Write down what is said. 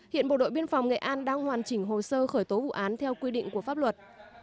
hiện bộ đội biên phòng nghệ an đang hoàn chỉnh hồ sơ khởi tố vụ án theo quy định của pháp luật